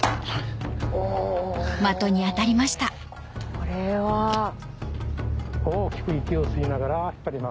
これは。大きく息を吸いながら引っ張ります。